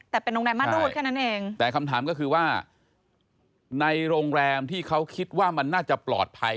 แต่เป็นโรงแรมม่านรูดแค่นั้นเองแต่คำถามก็คือว่าในโรงแรมที่เขาคิดว่ามันน่าจะปลอดภัย